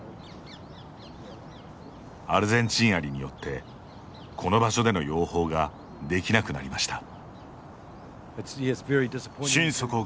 アルゼンチンアリによってこの場所での養蜂ができなくなりました。